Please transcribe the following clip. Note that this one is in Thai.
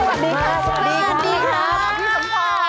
สวัสดีค่ะสวัสดีค่ะสวัสดีค่ะพี่สมพร